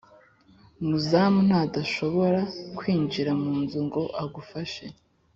umuzamu ntadashobora kwinjira mu nzu ngo agufashe.